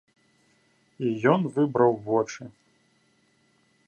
І ён выбраў вочы.